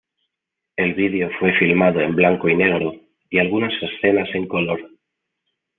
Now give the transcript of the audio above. El video fue filmado en blanco y negro, y algunas escenas en color.